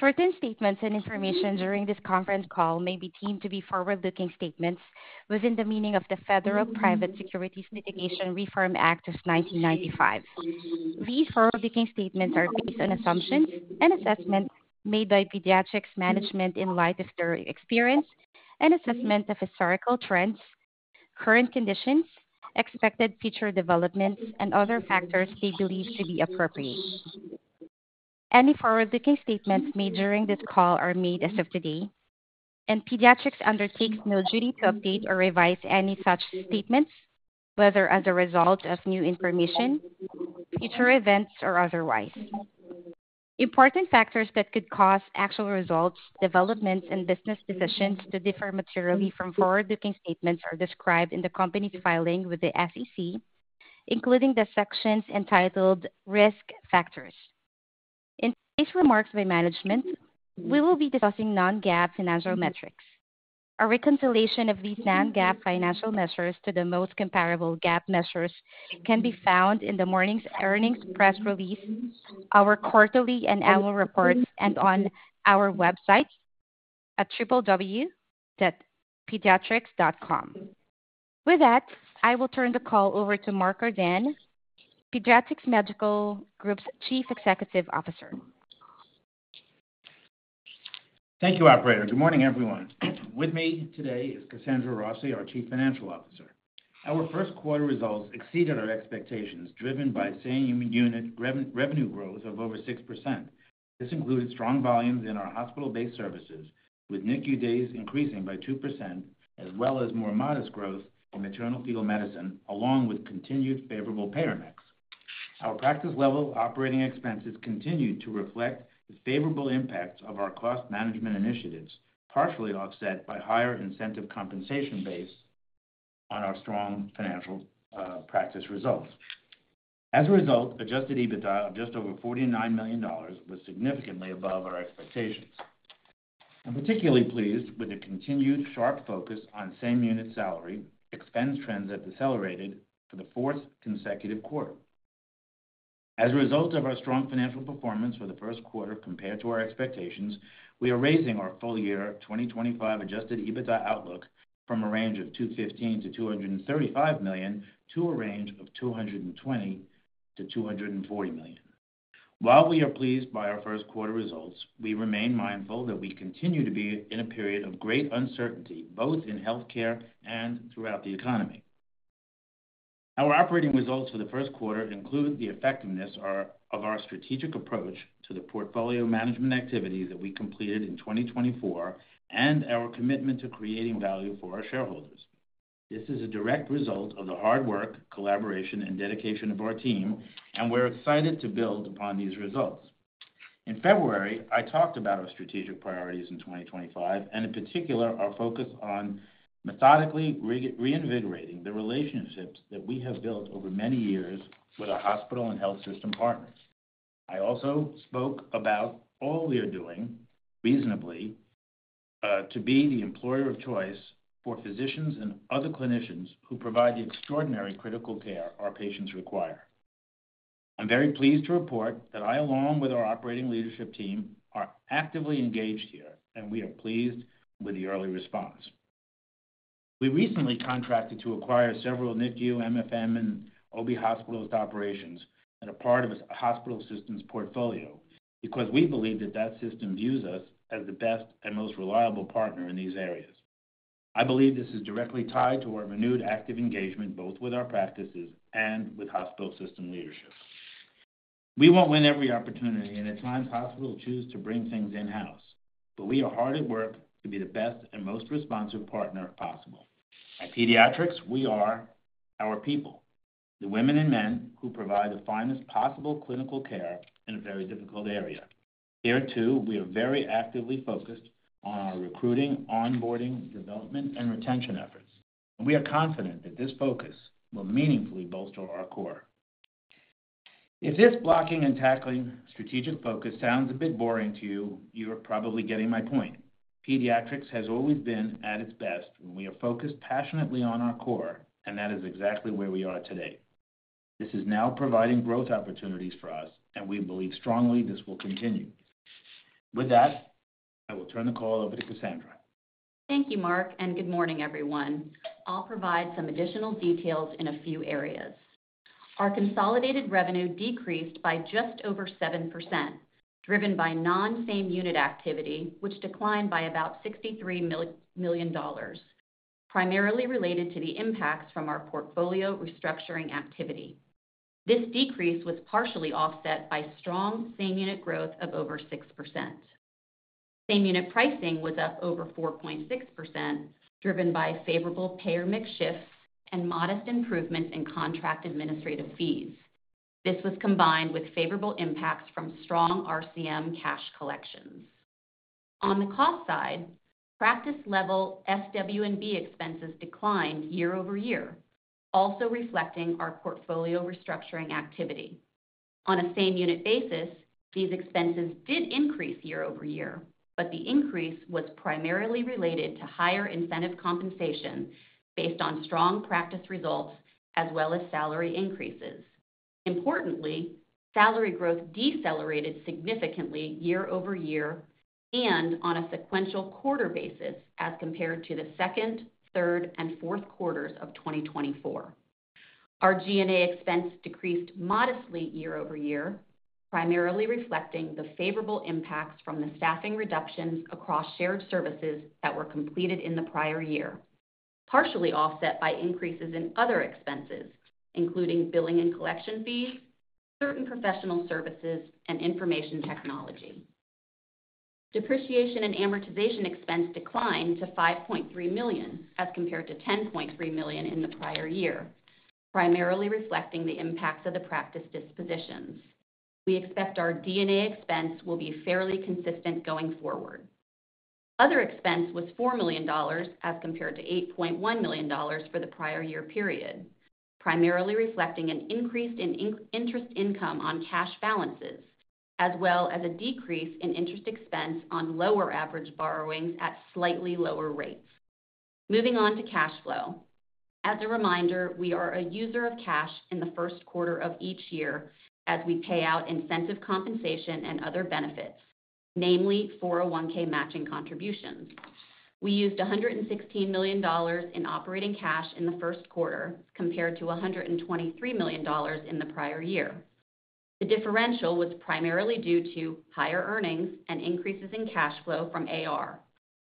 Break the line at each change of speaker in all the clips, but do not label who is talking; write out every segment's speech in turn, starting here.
Certain statements and information during this conference call may be deemed to be forward-looking statements within the meaning of the Federal Private Securities Litigation Reform Act of 1995. These forward-looking statements are based on assumptions and assessments made by Pediatrix management in light of their experience and assessment of historical trends, current conditions, expected future developments, and other factors they believe to be appropriate. Any forward-looking statements made during this call are made as of today, and Pediatrix undertakes no duty to update or revise any such statements, whether as a result of new information, future events, or otherwise. Important factors that could cause actual results, developments, and business decisions to differ materially from forward-looking statements are described in the company filing with the SEC, including the sections entitled Risk Factors. In case remarks by management, we will be discussing non-GAAP financial metrics. A reconciliation of these non-GAAP financial measures to the most comparable GAAP measures can be found in the morning's earnings press release, our quarterly and annual reports, and on our website, at www.pediatrix.com. With that, I will turn the call over to Mark Ordan, Pediatrix Medical Group's Chief Executive Officer.
Thank you, Operator. Good morning, everyone. With me today is Kasandra Rossi, our Chief Financial Officer. Our first quarter results exceeded our expectations, driven by same-unit revenue growth of over 6%. This included strong volumes in our hospital-based services, with NICU days increasing by 2%, as well as more modest growth in maternal-fetal medicine, along with continued favorable paramedics. Our practice-level operating expenses continue to reflect the favorable impacts of our cost management initiatives, partially offset by higher incentive compensation based on our strong financial practice results. As a result, adjusted EBITDA of just over $49 million was significantly above our expectations. I'm particularly pleased with the continued sharp focus on same-unit salary expense trends that decelerated for the fourth consecutive quarter. As a result of our strong financial performance for the first quarter compared to our expectations, we are raising our full-year 2025 adjusted EBITDA outlook from a range of $215 million-$235 million to a range of $220 million-$240 million. While we are pleased by our first quarter results, we remain mindful that we continue to be in a period of great uncertainty, both in healthcare and throughout the economy. Our operating results for the first quarter include the effectiveness of our strategic approach to the portfolio management activities that we completed in 2024 and our commitment to creating value for our shareholders. This is a direct result of the hard work, collaboration, and dedication of our team, and we're excited to build upon these results. In February, I talked about our strategic priorities in 2025 and, in particular, our focus on methodically reinvigorating the relationships that we have built over many years with our hospital and health system partners. I also spoke about all we are doing reasonably to be the employer of choice for physicians and other clinicians who provide the extraordinary critical care our patients require. I'm very pleased to report that I, along with our operating leadership team, are actively engaged here, and we are pleased with the early response. We recently contracted to acquire several NICU, MFM, and OB hospital operations that are part of a hospital system's portfolio because we believe that that system views us as the best and most reliable partner in these areas. I believe this is directly tied to our renewed active engagement both with our practices and with hospital system leadership. We won't win every opportunity, and at times hospitals choose to bring things in-house, but we are hard at work to be the best and most responsive partner possible. At Pediatrix, we are our people, the women and men who provide the finest possible clinical care in a very difficult area. Here too, we are very actively focused on our recruiting, onboarding, development, and retention efforts. We are confident that this focus will meaningfully bolster our core. If this blocking and tackling strategic focus sounds a bit boring to you, you're probably getting my point. Pediatrix has always been at its best when we are focused passionately on our core, and that is exactly where we are today. This is now providing growth opportunities for us, and we believe strongly this will continue. With that, I will turn the call over to Kasandra.
Thank you, Mark, and good morning, everyone. I'll provide some additional details in a few areas. Our consolidated revenue decreased by just over 7%, driven by non-same-unit activity, which declined by about $63 million, primarily related to the impacts from our portfolio restructuring activity. This decrease was partially offset by strong same-unit growth of over 6%. Same-unit pricing was up over 4.6%, driven by favorable payer mix shifts and modest improvements in contract administrative fees. This was combined with favorable impacts from strong RCM cash collections. On the cost side, practice-level SW&B expenses declined year over year, also reflecting our portfolio restructuring activity. On a same-unit basis, these expenses did increase year over year, but the increase was primarily related to higher incentive compensation based on strong practice results as well as salary increases. Importantly, salary growth decelerated significantly year over year and on a sequential quarter basis as compared to the second, third, and fourth quarters of 2024. Our G&A expense decreased modestly year over year, primarily reflecting the favorable impacts from the staffing reductions across shared services that were completed in the prior year, partially offset by increases in other expenses, including billing and collection fees, certain professional services, and information technology. Depreciation and amortization expense declined to $5.3 million as compared to $10.3 million in the prior year, primarily reflecting the impacts of the practice dispositions. We expect our D&A expense will be fairly consistent going forward. Other expense was $4 million as compared to $8.1 million for the prior year period, primarily reflecting an increase in interest income on cash balances, as well as a decrease in interest expense on lower average borrowings at slightly lower rates. Moving on to cash flow. As a reminder, we are a user of cash in the first quarter of each year as we pay out incentive compensation and other benefits, namely 401(k) matching contributions. We used $116 million in operating cash in the first quarter compared to $123 million in the prior year. The differential was primarily due to higher earnings and increases in cash flow from AR,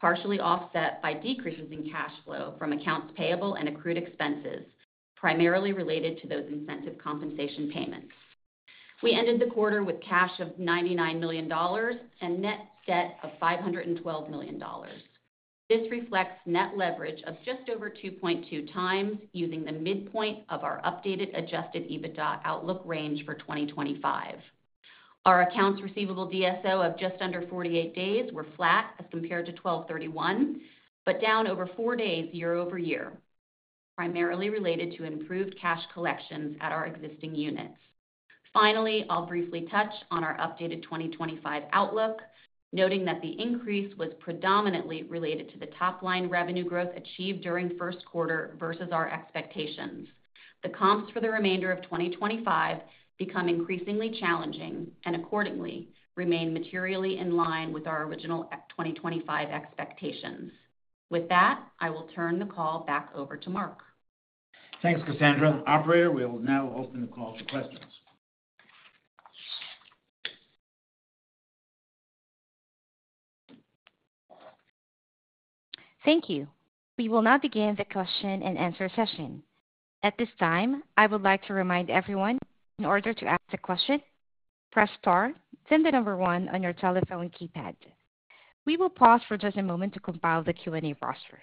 partially offset by decreases in cash flow from accounts payable and accrued expenses, primarily related to those incentive compensation payments. We ended the quarter with cash of $99 million and net debt of $512 million. This reflects net leverage of just over 2.2 times using the midpoint of our updated adjusted EBITDA outlook range for 2025.
Our accounts receivable DSO of just under 48 days were flat as compared to December 31, but down over four days year over year, primarily related to improved cash collections at our existing units. Finally, I'll briefly touch on our updated 2025 outlook, noting that the increase was predominantly related to the top-line revenue growth achieved during first quarter versus our expectations. The comps for the remainder of 2025 become increasingly challenging and accordingly remain materially in line with our original 2025 expectations. With that, I will turn the call back over to Mark.
Thanks, Kasandra. Operator, we'll now open the call for questions.
Thank you. We will now begin the question and answer session. At this time, I would like to remind everyone, in order to ask a question, press star, then the number one on your telephone keypad. We will pause for just a moment to compile the Q&A roster.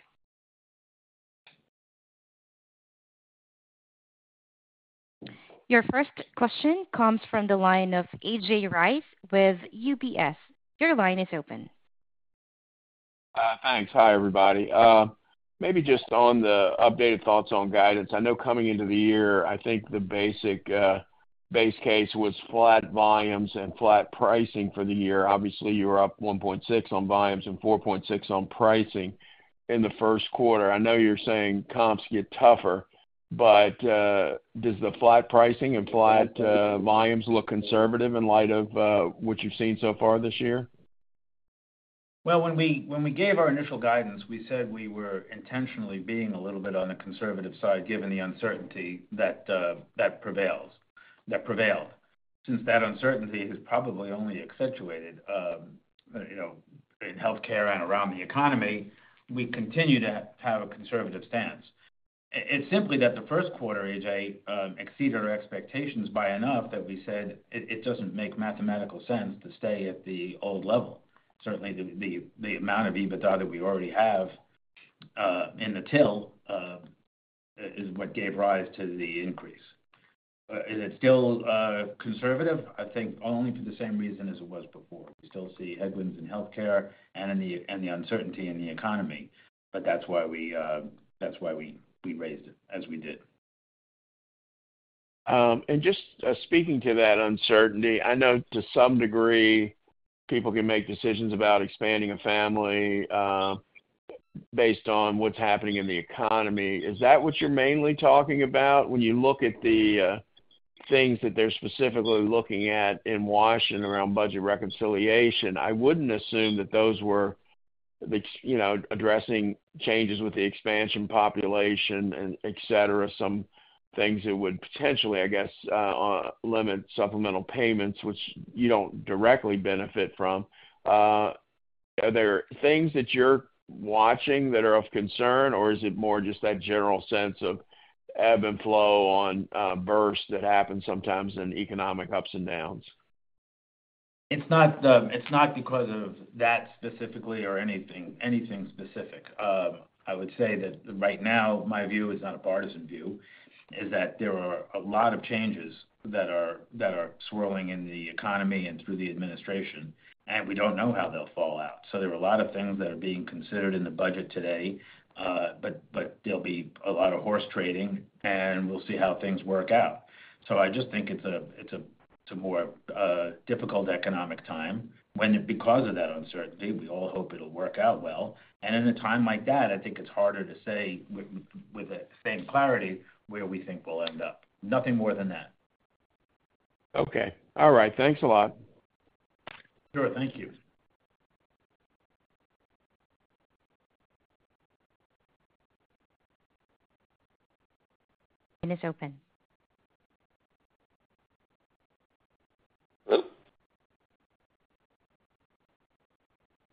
Your first question comes from the line of A.J. Rice with UBS. Your line is open.
Thanks. Hi, everybody. Maybe just on the updated thoughts on guidance. I know coming into the year, I think the basic base case was flat volumes and flat pricing for the year. Obviously, you were up 1.6% on volumes and 4.6% on pricing in the first quarter. I know you're saying comps get tougher, but does the flat pricing and flat volumes look conservative in light of what you've seen so far this year?
When we gave our initial guidance, we said we were intentionally being a little bit on the conservative side given the uncertainty that prevailed. Since that uncertainty has probably only accentuated in healthcare and around the economy, we continue to have a conservative stance. It's simply that the first quarter, A.J., exceeded our expectations by enough that we said it doesn't make mathematical sense to stay at the old level. Certainly, the amount of EBITDA that we already have in the till is what gave rise to the increase. Is it still conservative? I think only for the same reason as it was before. We still see headwinds in healthcare and the uncertainty in the economy, but that's why we raised it as we did.
Just speaking to that uncertainty, I know to some degree people can make decisions about expanding a family based on what's happening in the economy. Is that what you're mainly talking about when you look at the things that they're specifically looking at in Washington around budget reconciliation? I wouldn't assume that those were addressing changes with the expansion population, et cetera, some things that would potentially, I guess, limit supplemental payments, which you don't directly benefit from. Are there things that you're watching that are of concern, or is it more just that general sense of ebb and flow on births that happen sometimes in economic ups and downs?
It's not because of that specifically or anything specific. I would say that right now, my view, it's not a partisan view, is that there are a lot of changes that are swirling in the economy and through the administration, and we don't know how they'll fall out. There are a lot of things that are being considered in the budget today, but there'll be a lot of horse trading, and we'll see how things work out. I just think it's a more difficult economic time when, because of that uncertainty, we all hope it'll work out well. In a time like that, I think it's harder to say with the same clarity where we think we'll end up. Nothing more than that.
Okay. All right. Thanks a lot.
Sure. Thank you.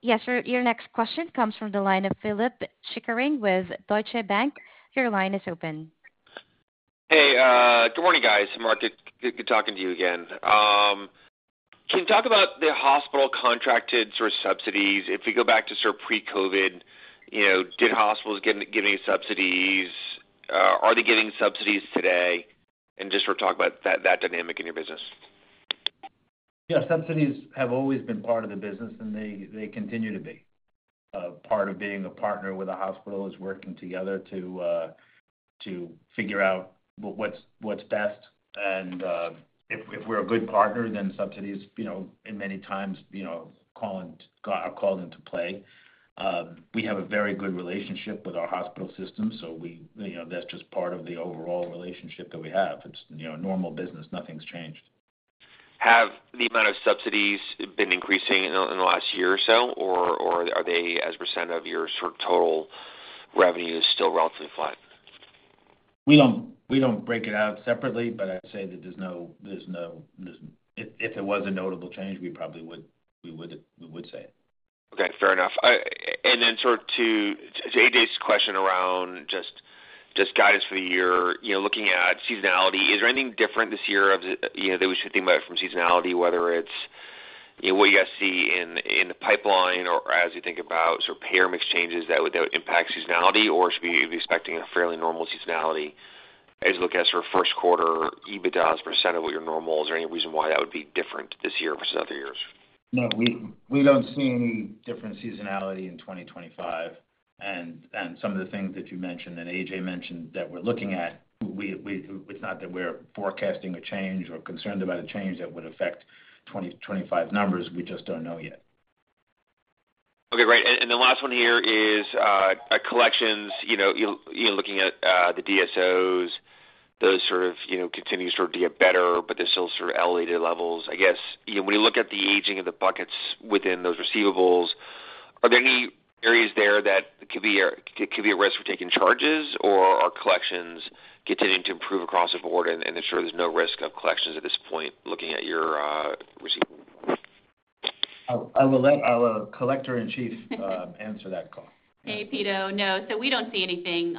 Yes, sir. Your next question comes from the line of Pito Chickering with Deutsche Bank. Your line is open.
Hey, good morning, guys. Mark, good talking to you again. Can you talk about the hospital contracted sort of subsidies? If we go back to sort of pre-COVID, did hospitals get any subsidies? Are they getting subsidies today? Just sort of talk about that dynamic in your business.
Yeah, subsidies have always been part of the business, and they continue to be part of being a partner with a hospital is working together to figure out what's best. If we're a good partner, then subsidies, in many times, are called into play. We have a very good relationship with our hospital system, so that's just part of the overall relationship that we have. It's normal business. Nothing's changed.
Have the amount of subsidies been increasing in the last year or so, or are they as percent of your sort of total revenue still relatively flat?
We don't break it out separately, but I'd say that there's no—if there was a notable change, we probably would say it.
Okay. Fair enough. Sort of to A.J.'s question around just guidance for the year, looking at seasonality, is there anything different this year that we should think about from seasonality, whether it's what you guys see in the pipeline or as you think about sort of payer mix changes that would impact seasonality, or should we be expecting a fairly normal seasonality as you look at sort of first quarter EBITDA as percent of what your normal? Is there any reason why that would be different this year versus other years?
No, we don't see any different seasonality in 2025. Some of the things that you mentioned that AJ mentioned that we're looking at, it's not that we're forecasting a change or concerned about a change that would affect 2025 numbers. We just don't know yet.
Okay. Right. The last one here is collections. You're looking at the DSOs, those sort of continue to sort of be better, but they're still sort of elevated levels. I guess when you look at the aging of the buckets within those receivables, are there any areas there that could be at risk for taking charges, or are collections continuing to improve across the board and ensure there's no risk of collections at this point looking at your receivables?
I'll let our collector in chief answer that call.
Hey, Pito. No, we do not see anything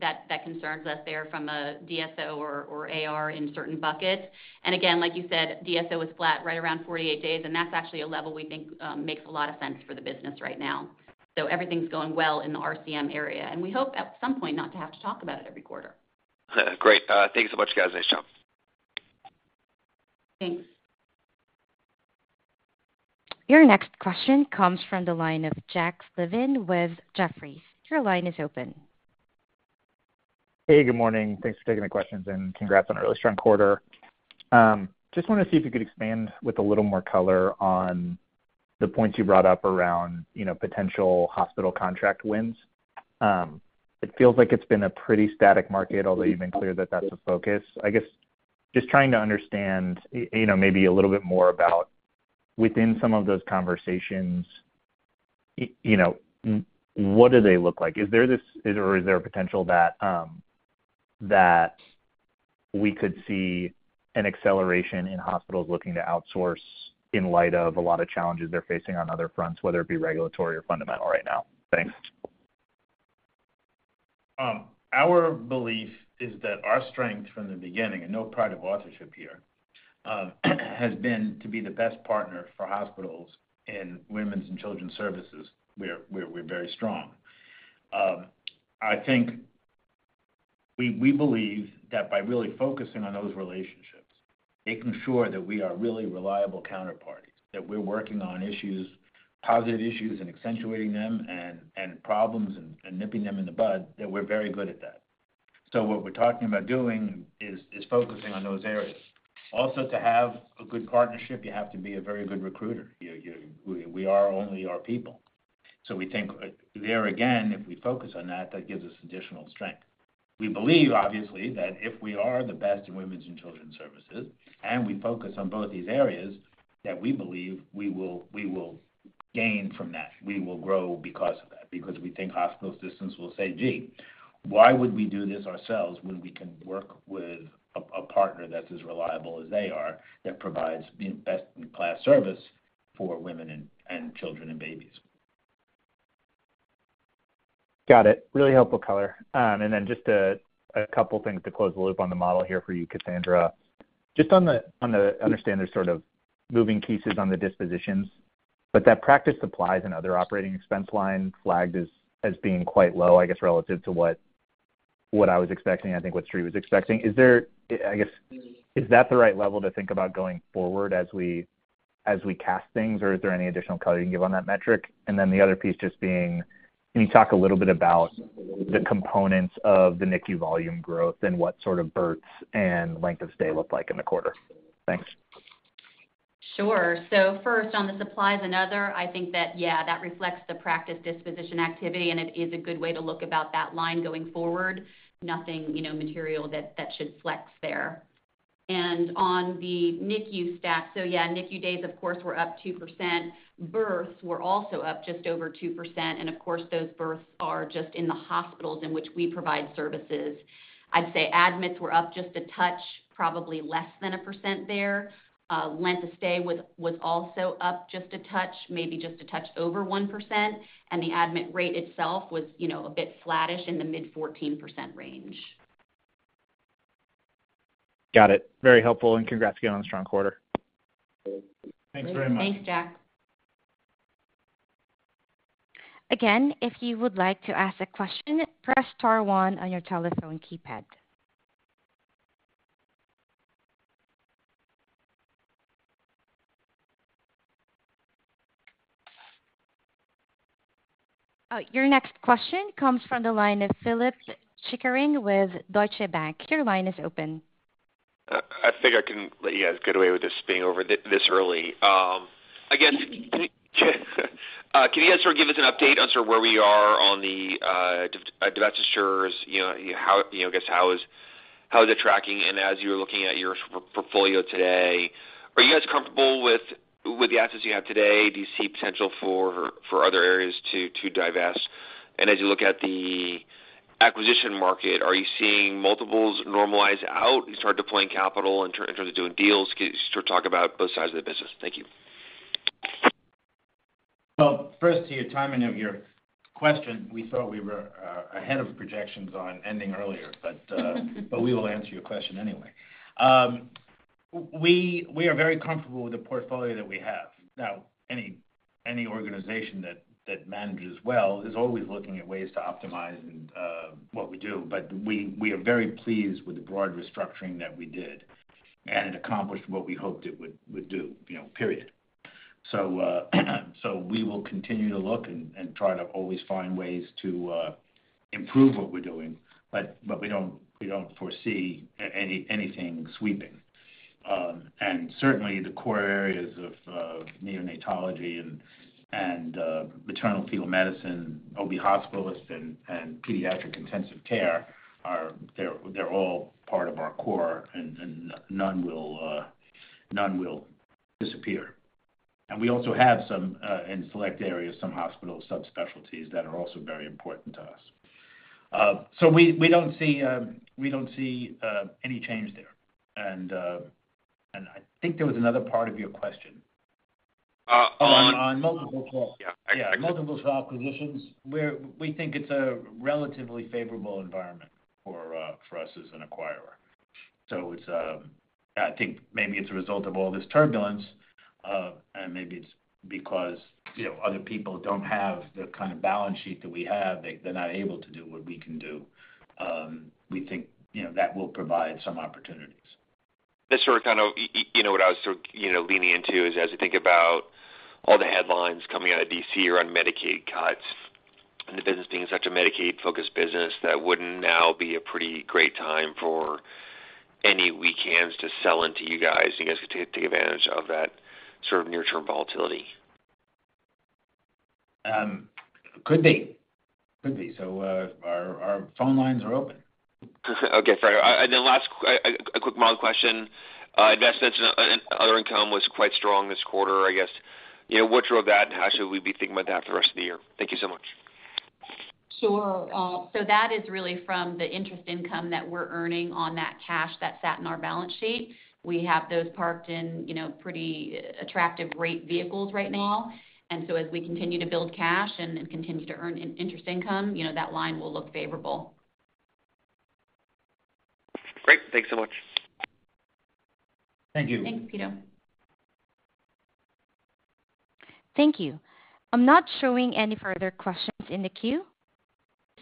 that concerns us there from a DSO or AR in certain buckets. Again, like you said, DSO was flat right around 48 days, and that is actually a level we think makes a lot of sense for the business right now. Everything is going well in the RCM area, and we hope at some point not to have to talk about it every quarter.
Great. Thank you so much, guys. Nice job.
Thanks. Your next question comes from the line of Jack Slevin with Jefferies. Your line is open.
Hey, good morning. Thanks for taking the questions, and congrats on a really strong quarter. Just wanted to see if you could expand with a little more color on the points you brought up around potential hospital contract wins. It feels like it's been a pretty static market, although you've been clear that that's the focus. I guess just trying to understand maybe a little bit more about within some of those conversations, what do they look like? Is there a potential that we could see an acceleration in hospitals looking to outsource in light of a lot of challenges they're facing on other fronts, whether it be regulatory or fundamental right now? Thanks.
Our belief is that our strength from the beginning, and no pride of authorship here, has been to be the best partner for hospitals in women's and children's services, where we're very strong. I think we believe that by really focusing on those relationships, it can ensure that we are really reliable counterparties, that we're working on issues, positive issues, and accentuating them and problems and nipping them in the bud, that we're very good at that. What we're talking about doing is focusing on those areas. Also, to have a good partnership, you have to be a very good recruiter. We are only our people. We think there again, if we focus on that, that gives us additional strength. We believe, obviously, that if we are the best in women's and children's services, and we focus on both these areas, that we believe we will gain from that. We will grow because of that, because we think hospital systems will say, "Gee, why would we do this ourselves when we can work with a partner that's as reliable as they are that provides the best in class service for women and children and babies?
Got it. Really helpful color. Just a couple of things to close the loop on the model here for you, Kasandra. Just on the understanding sort of moving pieces on the dispositions, but that practice applies in other operating expense lines flagged as being quite low, I guess, relative to what I was expecting, I think what Sri was expecting. I guess, is that the right level to think about going forward as we cast things, or is there any additional color you can give on that metric? The other piece just being, can you talk a little bit about the components of the NICU volume growth and what sort of births and length of stay look like in the quarter? Thanks.
Sure. First, on the supplies and other, I think that, yeah, that reflects the practice disposition activity, and it is a good way to look about that line going forward. Nothing material that should flex there. On the NICU staff, yeah, NICU days, of course, were up 2%. Births were also up just over 2%. Of course, those births are just in the hospitals in which we provide services. I'd say admits were up just a touch, probably less than 1% there. Length of stay was also up just a touch, maybe just a touch over 1%. The admit rate itself was a bit flattish in the mid-14% range.
Got it. Very helpful. Congrats again on a strong quarter.
Thanks very much.
Thanks, Jack.
Again, if you would like to ask a question, press star one on your telephone keypad. Your next question comes from the line of Pito Chickering with Deutsche Bank. Your line is open.
I think I can let you guys get away with this being over this early. I guess, can you guys sort of give us an update on sort of where we are on the divestitures? I guess, how is it tracking? As you're looking at your portfolio today, are you guys comfortable with the assets you have today? Do you see potential for other areas to divest? As you look at the acquisition market, are you seeing multiples normalize out? You started deploying capital in terms of doing deals. Can you start talking about both sides of the business? Thank you.
First, to your timing of your question, we thought we were ahead of projections on ending earlier, but we will answer your question anyway. We are very comfortable with the portfolio that we have. Now, any organization that manages well is always looking at ways to optimize what we do, but we are very pleased with the broad restructuring that we did, and it accomplished what we hoped it would do. We will continue to look and try to always find ways to improve what we're doing, but we do not foresee anything sweeping. Certainly, the core areas of neonatology and maternal-fetal medicine, OB hospitals, and pediatric intensive care, they are all part of our core, and none will disappear. We also have in select areas some hospital subspecialties that are also very important to us. We do not see any change there. I think there was another part of your question.
Oh, on multiple.
Yeah. Yeah, multiple acquisitions, we think it's a relatively favorable environment for us as an acquirer. I think maybe it's a result of all this turbulence, and maybe it's because other people don't have the kind of balance sheet that we have. They're not able to do what we can do. We think that will provide some opportunities.
That's sort of kind of what I was sort of leaning into as I think about all the headlines coming out of D.C. around Medicaid cuts and the business being such a Medicaid-focused business that wouldn't now be a pretty great time for any weekends to sell into you guys and you guys could take advantage of that sort of near-term volatility.
Could be. Could be. Our phone lines are open.
Okay. Last, a quick mild question. Investments in other income was quite strong this quarter, I guess. What drove that, and how should we be thinking about that for the rest of the year? Thank you so much.
Sure. That is really from the interest income that we're earning on that cash that sat in our balance sheet. We have those parked in pretty attractive rate vehicles right now. As we continue to build cash and continue to earn interest income, that line will look favorable.
Great. Thanks so much.
Thank you.
Thanks, Pito.
Thank you. I'm not showing any further questions in the queue.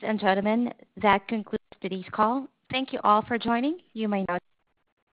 Gentlemen, that concludes today's call. Thank you all for joining. You may now.